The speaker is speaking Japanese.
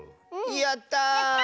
やった！